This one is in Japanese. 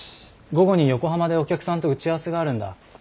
午後に横浜でお客さんと打ち合わせがあるんだ。